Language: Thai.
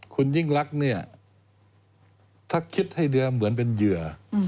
คุณยิ่งรักเนี่ยถ้าคิดให้ดีเหมือนเป็นเหยื่อ